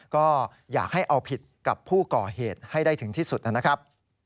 ก็อยากให้เอาผิดกับผู้ก่อเหตุให้ได้ถึงที่สุดนะครับ